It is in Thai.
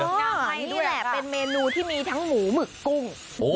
นี่แหละเป็นเมนูที่มีทั้งหมูหมึกกุ้ง